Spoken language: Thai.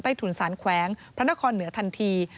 ถุนสารแขวงพระนครเหนือทันที